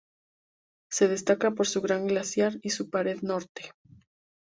Se destaca por su gran glaciar y su pared Norte.